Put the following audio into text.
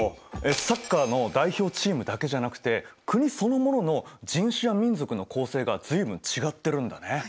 サッカーの代表チームだけじゃなくて国そのものの人種や民族の構成が随分違ってるんだね。